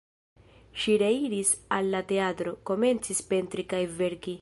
Ŝi reiris al la teatro, komencis pentri kaj verki.